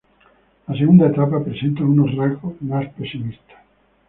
La segunda etapa presenta unos rasgos más pesimistas.